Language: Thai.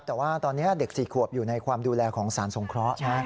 แต่ว่าตอนนี้เด็ก๔ขวบอยู่ในความดูแลของสารสงเคราะห์